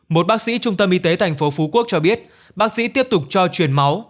một bác sĩ trung tâm y tế tp phú quốc cho biết bác sĩ tiếp tục cho truyền máu